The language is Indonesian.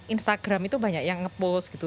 instagram itu banyak yang ngepost gitu